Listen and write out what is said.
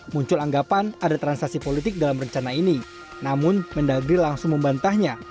muncul anggapan ada transaksi politik dalam rencana ini namun mendagri langsung membantahnya